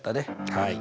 はい。